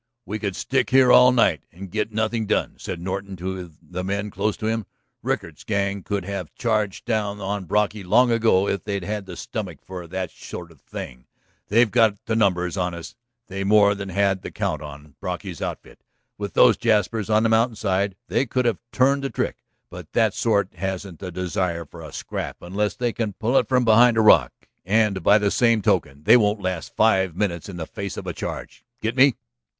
"We could stick here all night and get nothing done," said Norton to the men close to him. "Rickard's gang could have charged down on Brocky long ago if they'd had the stomach for that sort of thing. They've got the numbers on us; they more than had the count on Brocky's outfit; with those jaspers on the mountainside they could have turned the trick. But that sort hasn't the desire for a scrap unless they can pull it from behind a rock. And, by the same token, they won't last five minutes in the face of a charge. Get me?"